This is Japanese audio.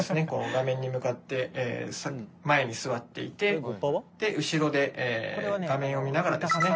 画面に向かって前に座っていて後ろで画面を見ながらですね